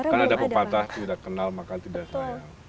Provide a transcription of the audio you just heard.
karena ada pepatah tidak kenal maka tidak sayang